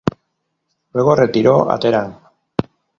Luego retiro a Teherán.